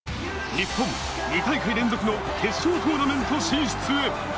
日本、２大会連続の決勝トーナメント進出へ！